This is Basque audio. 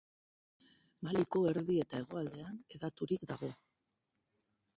Maliko erdi eta hegoaldean hedaturik dago.